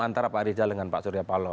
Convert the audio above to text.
antara pak rizal dengan pak suryapalo